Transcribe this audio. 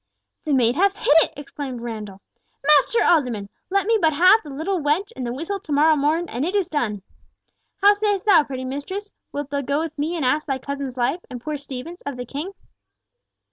"The maid hath hit it!" exclaimed Randall. "Master alderman! Let me but have the little wench and the whistle to morrow morn, and it is done. How sayest thou, pretty mistress? Wilt thou go with me and ask thy cousin's life, and poor Stephen's, of the King?"